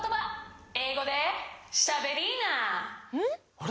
あれ？